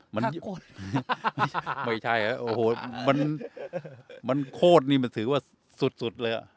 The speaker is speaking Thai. มันไม่ใช่โอ้โหมันมันโคตรนี่มันถือว่าสุดสุดเลยอะ